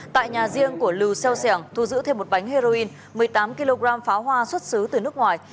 tại nhà riêng của lưu xeo xẻng thu giữ thêm một bánh heroin một mươi tám kg pháo hoa xuất xứ từ nước ngoài